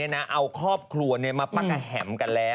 พวกครัวเนี่ยมาปักแห่มกันแล้ว